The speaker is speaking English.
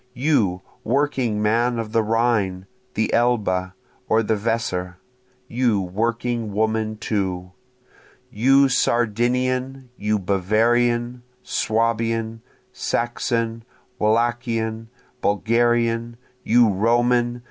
You working man of the Rhine, the Elbe, or the Weser! you working woman too! You Sardinian! you Bavarian! Swabian! Saxon! Wallachian! Bulgarian! You Roman!